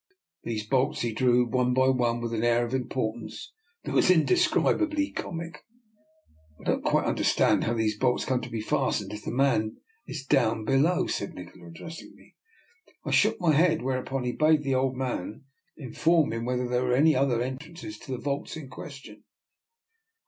These bolts he drew one by one with an air of importance that was indescribably comic. " I don't quite understand how these bolts come to be fastened if the man is down be low," said Nikola, addressing me. I shook my head, whereupon he bade the old man in form him whether there were any other en trances to the vaults in question.